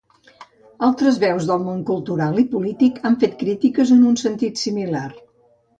Altres veus del món cultural i polític han fet crítiques en un sentit similar.